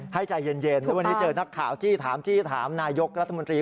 ให้ใจเย็นแล้ววันนี้เจอนักข่าวจี้ถามจี้ถามนายกรัฐมนตรี